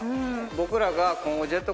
僕らが今後。